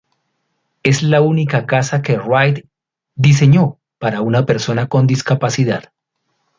Es la única casa que Wright diseñó para una persona con discapacidad.